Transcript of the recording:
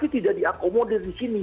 tidak diakomodir disini